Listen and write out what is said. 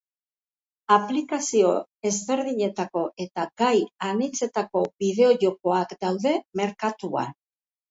Aplikazio ezberdinetako eta gai anitzetako bideo jokoak daude merkatuan.